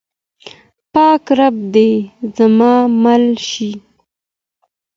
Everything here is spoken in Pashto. پاک رب دې زموږ مل شي.